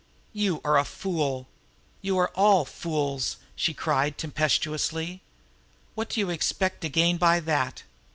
"You are a fool! You are all fools!" she cried tempestuously. "What do you expect to gain by that?